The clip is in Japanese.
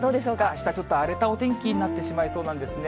あしたちょっと、荒れたお天気になってしまいそうなんですね。